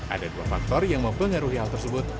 ada dua faktor yang mempengaruhi hal tersebut